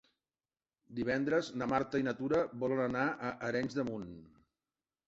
Divendres na Marta i na Tura volen anar a Arenys de Munt.